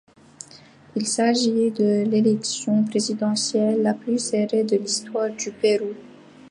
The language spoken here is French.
Il s'agit de l'élection présidentielle la plus serrée de l'histoire du Pérou.